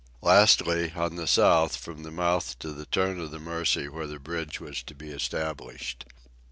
Lastly, on the south, from the mouth to the turn of the Mercy where the bridge was to be established.